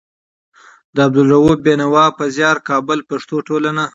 د عبدالروف بېنوا په زيار. کابل: پښتو ټولنه